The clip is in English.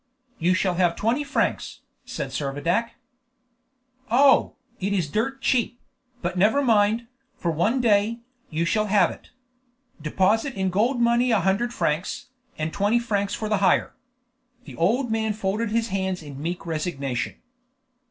"You shall have twenty francs," said Servadac. "Oh, it is dirt cheap; but never mind, for one day, you shall have it. Deposit in gold money a hundred francs, and twenty francs for the hire." The old man folded his hands in meek resignation.